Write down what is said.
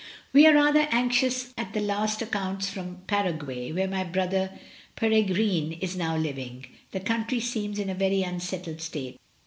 "We are rather anxious at the last accounts from Paraguay, where my brother in law Peregrine is now iving. The country seems in a very unsettled state.